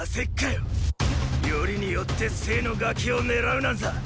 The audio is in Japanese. よりによって政のガキを狙うなんざ！！